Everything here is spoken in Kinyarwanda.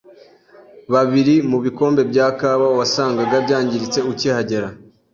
Babiri mu bikombe bya kawa wasangaga byangiritse ukihagera.